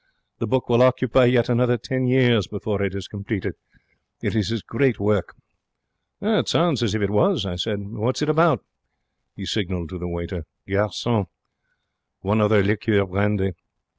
The book will occupy yet another ten years before it is completed. It is his great work.' 'It sounds as if it was,' I said. 'What's it about?' He signalled to the waiter. 'Garcon, one other liqueur brandy.